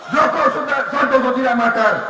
joko tsantoko tidak makar